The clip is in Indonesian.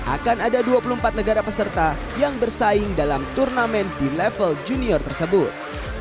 akan ada dua puluh empat negara peserta yang bersaing dalam turnamen di level junior tersebut